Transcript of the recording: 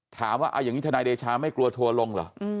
ถามว่าเอาอย่างนี้ทนายเดชาไม่กลัวทัวร์ลงเหรอ